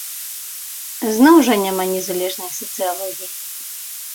Зноў жа няма незалежнай сацыялогіі.